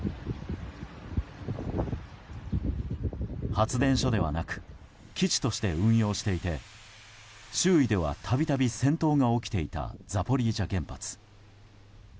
発電所ではなく基地として運用していて周囲では度々、戦闘が起きていたザポリージャ原発。